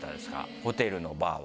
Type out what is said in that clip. ホテルのバーは。